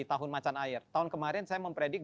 tahun macan air tahun kemarin saya mempredik